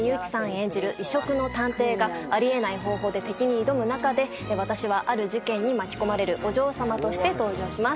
演じる異色の探偵がありえない方法で敵に挑む中で私はある事件に巻き込まれるお嬢さまとして登場します。